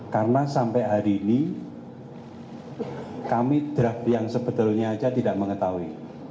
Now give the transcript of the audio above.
karena sampai hari ini kami draft yang sebetulnya saja tidak mengetahui